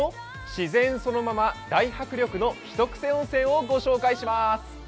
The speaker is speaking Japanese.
自然そのまま、大迫力のひとクセ温泉をご紹介します。